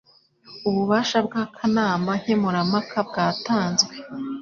Ububasha bw akanama nkemurampaka bwatanzwe